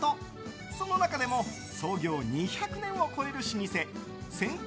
その中でも創業２００年を超える老舗・千興